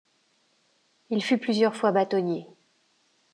Il fut plusieurs fois bâtonnier.